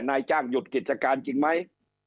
นายจ้างหยุดกิจการจริงไหม